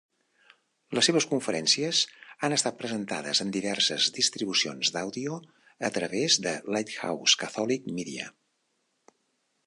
Les seves conferències han estat presentades en diverses distribucions d'àudio a través de Lighthouse Catholic Media.